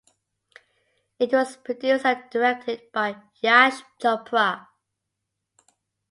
It was produced and directed by Yash Chopra.